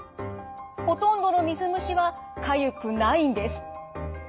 ほとんどの水虫はかゆくないんです。